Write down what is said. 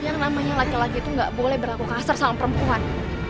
yang namanya laki laki itu nggak boleh berlaku kasar sama perempuan